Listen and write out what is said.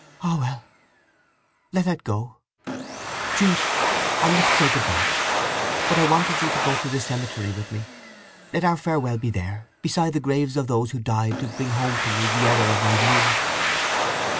"Ah, well; let that go! … Jude, I must say good bye! But I wanted you to go to the cemetery with me. Let our farewell be there—beside the graves of those who died to bring home to me the error of my views."